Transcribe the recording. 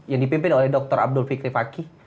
yang dipimpin oleh dr abdul fikri fakih